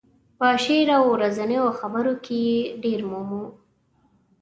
په شعر او ورځنیو خبرو کې یې ډېر مومو.